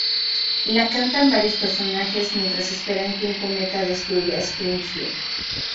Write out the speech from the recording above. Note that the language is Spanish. La cantan varios personajes mientras esperan que un cometa destruya Springfield.